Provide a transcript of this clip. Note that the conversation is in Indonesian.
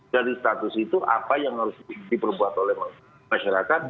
dari status itu apa yang harus diperbuat oleh masyarakat